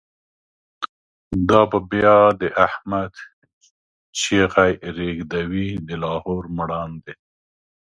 دا به بیا د« احمد» چیغی، ریږدوی د لاهور مړاندی